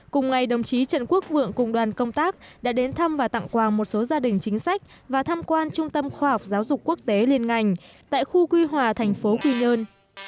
cùng ngày đồng chí trần quốc vượng cùng đoàn công tác đã đến thăm và tặng quà một số gia đình chính sách và tham quan trung tâm khoa học giáo dục quốc tế liên ngành tại khu quy hòa thành phố quy nhơn